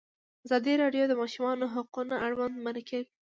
ازادي راډیو د د ماشومانو حقونه اړوند مرکې کړي.